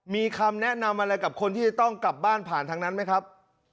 มีคำแนะนำอะไรกับคนที่จะต้องกลับบ้านผ่านทางนั้นไหมครับ